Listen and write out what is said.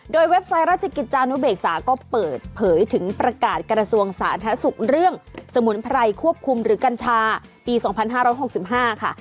โดยเว็บไซต์ราชกิจจานุเบกษาก็เปิดเผยถึงประกาศกระทรวงสาธารณสุขเรื่องสมุนไพรควบคุมหรือกัญชาปี๒๕๖๕ค่ะ